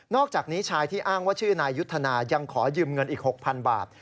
อกจากนี้ชายที่อ้างว่าชื่อนายยุทธนายังขอยืมเงินอีก๖๐๐๐บาท